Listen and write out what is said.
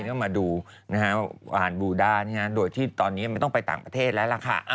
ก็มาดูนะฮะบูด้าโดยที่ตอนนี้ไม่ต้องไปต่างประเทศแล้วล่ะค่ะ